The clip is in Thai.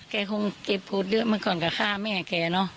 แกคงเก็บโพธิเยอะเมื่อก่อนก็ฆ่าแม่แกเนาะ